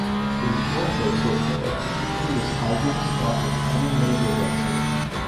Im Vorfeld zur Veröffentlichung des Albums gab es einen Labelwechsel.